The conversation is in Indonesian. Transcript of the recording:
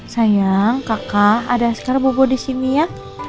sayang kakak ada askara bobo di sini ya